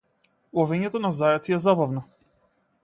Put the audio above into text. Ловењето на зајаци е забавно.